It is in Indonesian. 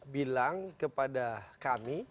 bilang kepada kami